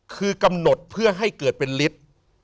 คือกำหนดเพื่อให้เกิดเป็นฤทธิ์